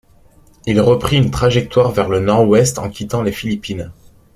Il reprit une trajectoire vers le nord-ouest en quittant les Philippines.